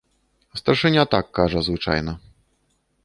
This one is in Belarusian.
Старшыня так кажа звычайна.